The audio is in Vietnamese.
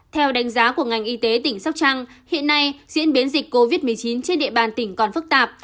theo đánh giá của ngành y tế tỉnh sóc trăng hiện nay diễn biến dịch covid một mươi chín trên địa bàn tỉnh còn phức tạp